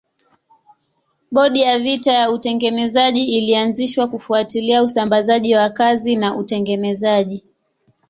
Bodi ya vita ya utengenezaji ilianzishwa kufuatilia usambazaji wa kazi na utengenezaji.